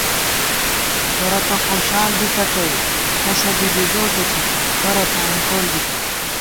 کرہ تہ خوشال بِتہ تَئ، کسہ بی بِزوٹے ݪِبہ کرہ څائیں کول بِتہ